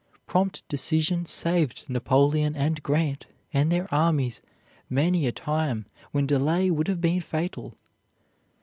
Prompt decision saved Napoleon and Grant and their armies many a time when delay would have been fatal.